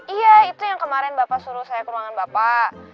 iya itu yang kemarin bapak suruh saya kemangan bapak